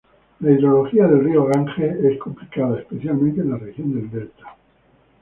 La hidrología del río Ganges es complicada, especialmente en la región del delta.